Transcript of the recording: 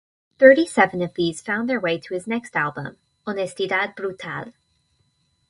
Thirty seven of these found their way to his next album, "Honestidad brutal".